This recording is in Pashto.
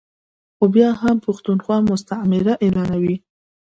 خو بیا هم پښتونخوا مستعمره اعلانوي ا